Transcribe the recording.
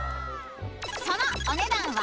［そのお値段は？］